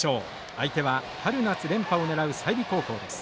相手は春夏連覇を狙う済美高校です。